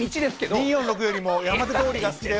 「２４６よりも山手通りが好きだよ」。